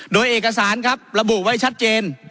โดยเอกสารครับระบุไว้ชัดเจน